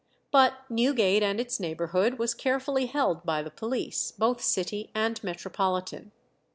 But Newgate and its neighbourhood was carefully held by the police, both city and metropolitan.